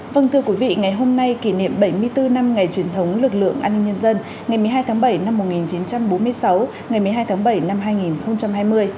vâng thưa quý vị ngày hôm nay kỷ niệm bảy mươi bốn năm ngày truyền thống lực lượng an ninh nhân dân ngày một mươi hai tháng bảy năm một nghìn chín trăm bốn mươi sáu ngày một mươi hai tháng bảy năm hai nghìn hai mươi